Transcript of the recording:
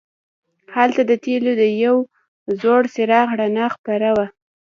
هلته د تیلو د یو زوړ څراغ رڼا خپره وه.